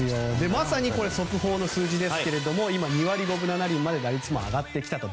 まさに、速報の数字ですけれども今、２割５分７厘まで打率が上がってきたと。